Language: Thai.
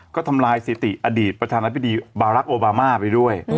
ก็ทำลายสิติอดีตประธานาธิบดีบารักษ์โอบามาไปด้วย